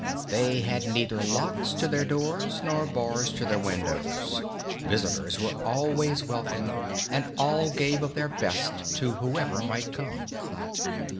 They had neither locks to their doors nor bars to their windows; visitors were always welcome, and all gave of their best to whoever might come.